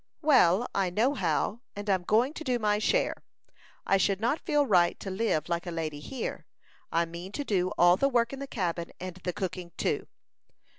"Well, I know how; and I'm going to do my share. I should not feel right to live like a lady here. I mean to do all the work in the cabin, and the cooking too."